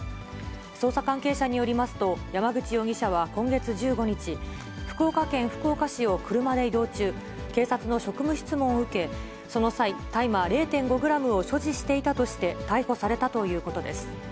捜査関係者によりますと、山口容疑者は今月１５日、福岡県福岡市を車で移動中、警察の職務質問を受け、その際、大麻０．５グラムを所持していたとして逮捕されたということです。